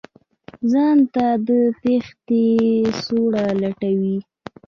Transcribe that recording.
ځان ته د تېښتې سوړه لټوي.